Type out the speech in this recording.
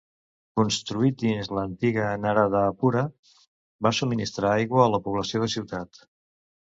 Construït dins l'antiga Anuradhapura, va subministrar aigua a la població de ciutat.